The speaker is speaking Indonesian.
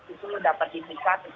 itu dapat diinginkan